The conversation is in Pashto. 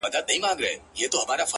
څله بيا په دومره درد” ماته اړوې سترگي”